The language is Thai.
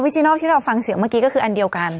จินัลที่เราฟังเสียงเมื่อกี้ก็คืออันเดียวกัน